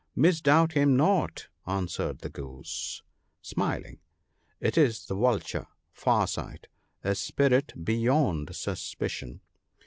;' Misdoubt him not !' answered the Goose, smiling, .' it is the Vulture Far sight, a spirit beyond suspicion.